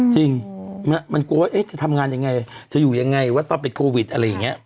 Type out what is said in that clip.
จริงมันกลัวว่าจะทำงานยังไงจะอยู่ยังไงว่าตอนเป็นโควิดอะไรอย่างนี้